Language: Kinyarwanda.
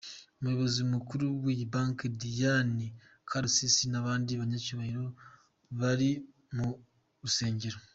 Umuyobozi mukuru w’iyi Banki Diane Karusisi n’abandi banyacyubahiro bari mu rusengero.